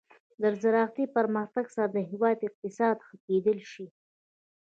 د زراعتي پرمختګ سره د هیواد اقتصاد ښه کیدلی شي.